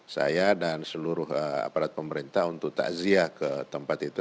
saya dan seluruh aparat pemerintah untuk takziah ke tempat itu